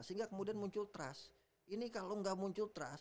sehingga kemudian muncul trust